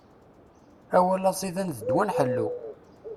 Awal aẓidan, d ddwa n ḥellu.